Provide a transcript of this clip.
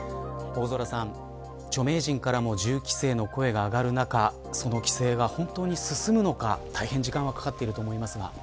大空さん、著名人からも銃規制の声が上がる中その規制は本当に進むのか大変、時間がかかっていると思いますが。